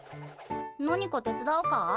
何か手伝おうか？